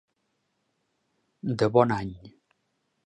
De bon any.